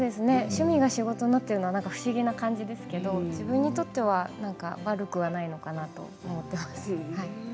趣味が仕事になっているのは不思議な感じですけれど自分にとっては悪くないのかなと思います。